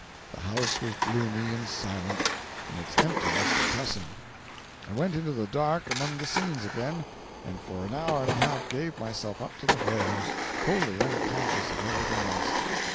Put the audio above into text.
The house was gloomy and silent, and its emptiness depressing. I went into the dark among the scenes again, and for an hour and a half gave myself up to the horrors, wholly unconscious of everything else.